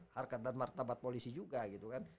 harkatan martabat polisi juga gitu kan